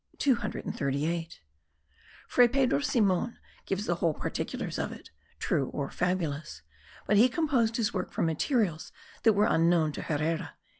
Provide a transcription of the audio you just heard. Fray Pedro Simon gives the whole particulars of it, true or fabulous; but he composed his work from materials that were unknown to Herrera.)